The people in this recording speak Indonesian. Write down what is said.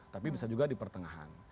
tapi bisa juga di pertengahan